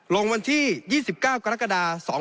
ลงวันที่๒๙กรกฎา๒๕๖